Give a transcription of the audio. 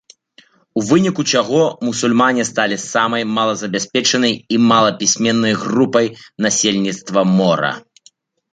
У выніку чаго мусульмане сталі самай малазабяспечанай і малапісьменнай групай насельніцтва мора.